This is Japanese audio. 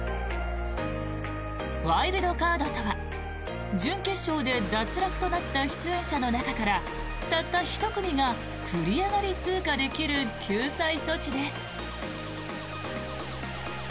ワイルドカードとは準決勝で脱落となった出演者の中からたった１組が繰り上がり通過できる救済措置です。